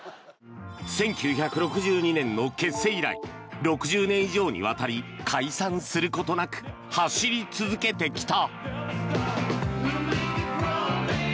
１９６２年の結成以来６０年以上にわたり解散することなく走り続けてきた。